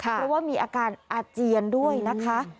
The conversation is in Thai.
เพราะว่ามีอาการอาเจียนด้วยนะคะ